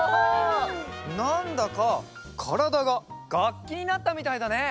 なんだかからだががっきになったみたいだね。